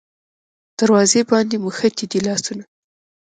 دروازو باندې موښتي دی لاسونه